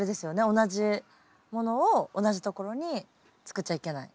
同じものを同じところに作っちゃいけない。